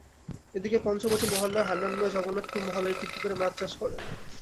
এদিকে পঞ্চবটী মহল্লার হান্নান মিয়া জগন্নাথপুর মহল্লার একটি পুকুরে মাছ চাষ করেন।